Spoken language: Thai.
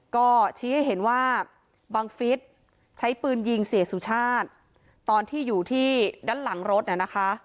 ก็ชี้ให้เห็นว่าบังฟิศใช้ปืนยิงเสียสุชาติตอนที่อยู่ที่ด้านหลังรถน่ะนะคะ